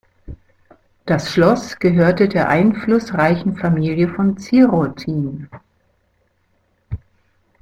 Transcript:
Das Schloss gehörte der einflussreichen Familie von Zierotin.